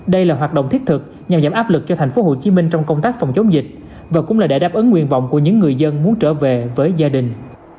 đây là hoạt động thiết thực nhằm giảm áp lực cho tp hcm trong công tác phòng chống dịch và cũng là để đáp ứng nguyện vọng của những người dân muốn trở về với gia đình